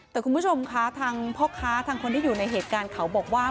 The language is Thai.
แต่คุณผู้ชมคะทางพ่อค้าทางคนที่อยู่ในเหตุการณ์เขาบอกว่า